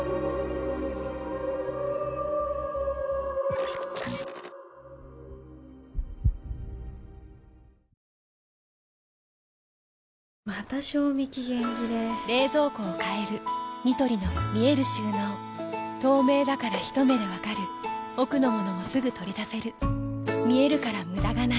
グランドハイアットでまた賞味期限切れ冷蔵庫を変えるニトリの見える収納透明だからひと目で分かる奥の物もすぐ取り出せる見えるから無駄がないよし。